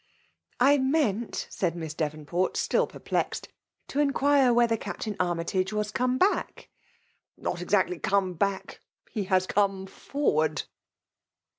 " I meant,^ said Mns Devonport, still per plexed, ''to inquire wliedier Captain Army ti^ was come back T^ " Not exactly come back — ^he has come y«v* ward.''